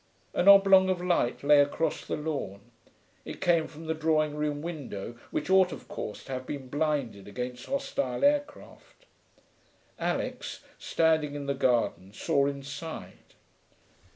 An oblong of light lay across the lawn. It came from the drawing room window, which ought, of course, to have been blinded against hostile aircraft. Alix, standing in the garden, saw inside.